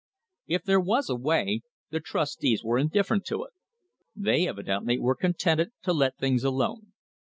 If there was a way, the trustees were indifferent to it. They evidently were contented to let things alone.